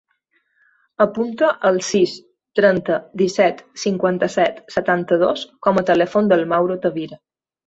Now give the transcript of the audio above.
Apunta el sis, trenta, disset, cinquanta-set, setanta-dos com a telèfon del Mauro Tavira.